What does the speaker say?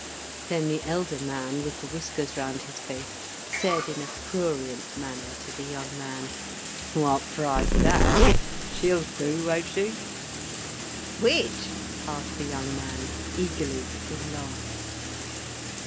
Then the elder man, with the whiskers round his face, said in a prurient manner to the young man: "What price that, eh? She'll do, won't she?" "Which?" asked the young man, eagerly, with a laugh.